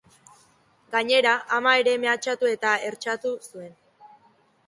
Gainera, ama ere mehatxatu eta hertsatu zuen.